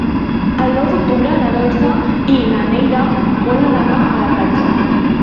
El nou d'octubre na Dolça i na Neida volen anar a la platja.